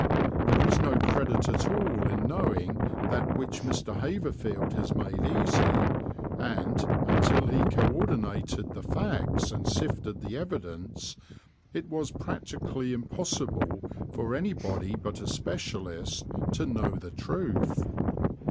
There is no credit at all in knowing that which Mr. Haverfield has made easy, and, until he co ordinated the facts and sifted the evidence, it was practically impossible for anybody but a specialist to know the truth.